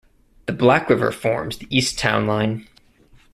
The Black River forms the east town line.